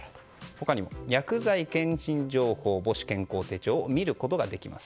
他にも薬剤・検診情報母子健康手帳を見ることができます。